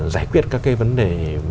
giải quyết các cái vấn đề